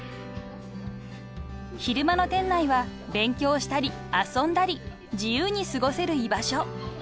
［昼間の店内は勉強したり遊んだり自由に過ごせる居場所］